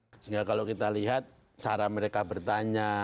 sehingga kalau kita lihat cara mereka bertanya